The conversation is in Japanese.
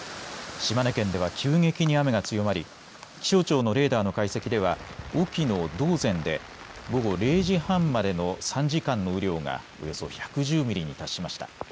島根県では急激に雨が強まり気象庁のレーダーの解析では隠岐の島前で午後０時半までの３時間の雨量がおよそ１１０ミリに達しました。